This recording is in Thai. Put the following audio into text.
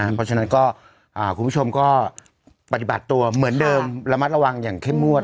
เพราะฉะนั้นก็คุณผู้ชมก็ปฏิบัติตัวเหมือนเดิมระมัดระวังอย่างเข้มงวด